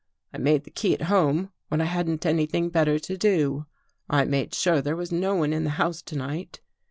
I made the key at home when I hadn't anything better to do. I made sure there was no one in the house to night.